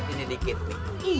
ini dikit nih